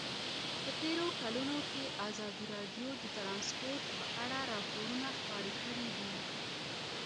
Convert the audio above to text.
په تېرو کلونو کې ازادي راډیو د ترانسپورټ په اړه راپورونه خپاره کړي دي.